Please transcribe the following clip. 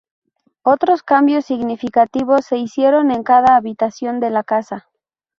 Otros cambios significativos se hicieron en cada habitación de la casa.